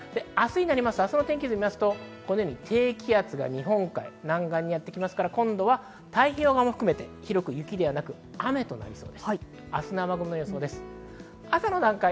明日になると低気圧が日本海南岸にやってきますから、今度は太平洋側も含めて広く雪ではなく、雨となりそうです。